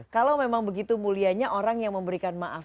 kalau memang begitu mulianya orang yang memberikan maaf